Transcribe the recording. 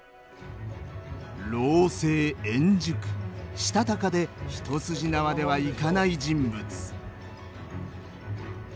したたかで一筋縄ではいかない人物。